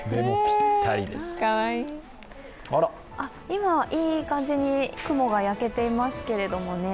今いい感じに雲が焼けていますけどね。